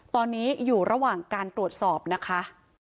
ตอนนี้อยู่ระหว่างการตรวจสอบนะคะ